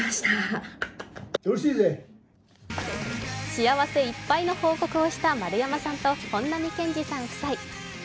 幸せいっぱいの報告をした丸山さんと本並健治さん夫妻。